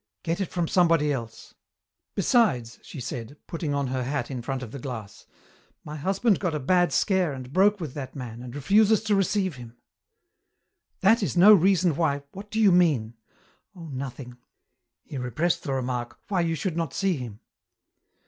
"Get it from somebody else. Besides," she said, putting on her hat in front of the glass, "my husband got a bad scare and broke with that man and refuses to receive him." "That is no reason why " "What do you mean?" "Oh, nothing." He repressed the remark: "Why you should not see him."